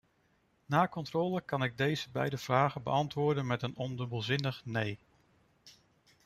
Na controle kan ik deze beide vragen beantwoorden met een ondubbelzinnig nee.